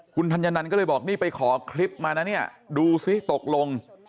คุณธัญนันก็เลยบอกนี่ไปขอคลิปมานะเนี่ยดูสิตกลง